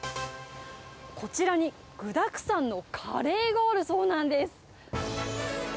こちらに、具だくさんなカレーがあるそうなんです。